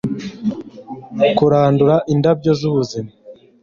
kurandura indabyo z'ubuzima